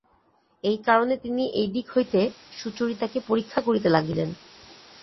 এই কারণে তিনি সেই দিক হইতে সুচরিতাকে পরীক্ষা করিতে লাগিলেন।